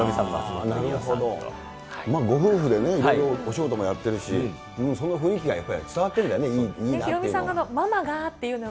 ご夫婦でね、いろいろお仕事もやってるし、そんな雰囲気が伝わっているんだよね、いいなっていうの。